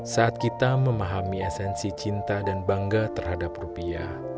saat kita memahami esensi cinta dan bangga terhadap rupiah